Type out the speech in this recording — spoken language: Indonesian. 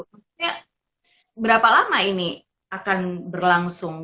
maksudnya berapa lama ini akan berlangsung